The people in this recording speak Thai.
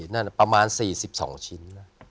นั่นประมาณ๔๒ชิ้นนะ